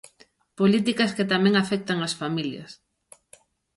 Políticas que tamén afectan ás familias.